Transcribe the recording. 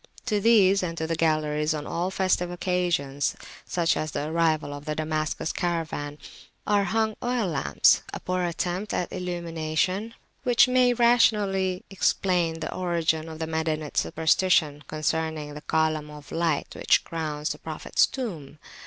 To these and to the galleries on all festive occasions, such as the arrival of the Damascus caravan, are hung oil lamps a poor attempt at illumination, which may rationally explain the origin of the Madinite superstition concerning the column of light which crowns the Prophet's tomb.